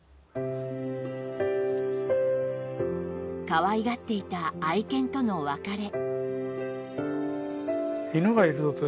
かわいがっていた愛犬との別れ